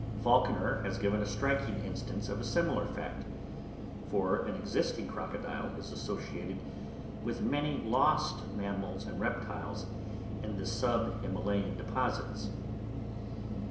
Falconer has given a striking instance of a similar fact, for an existing crocodile is associated with many lost mammals and reptiles in the sub Himalayan deposits.